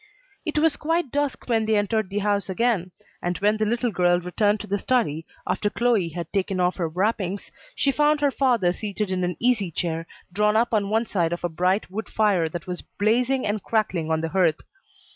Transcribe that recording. It was quite dusk when they entered the house again, and when the little girl returned to the study, after Chloe had taken off her wrappings, she found her father seated in an easy chair, drawn up on one side of a bright wood fire that was blazing and crackling on the hearth.